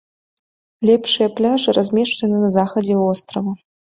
Лепшыя пляжы размешчаны на захадзе вострава.